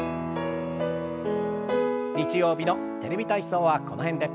日曜日の「テレビ体操」はこの辺で。